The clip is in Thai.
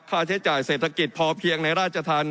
คาเทศจ่ายเศรษฐกิจพอเพียงในราชทัน